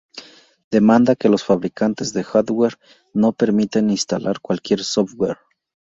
Demanda que los fabricantes de hardware no permitan instalar cualquier software